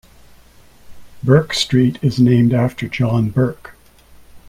Bourke Street is named after John Bourke.